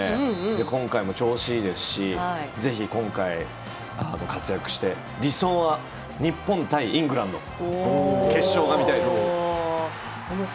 今回も調子がいいですしぜひ今回、活躍して理想は日本対イングランド決勝が見たいです。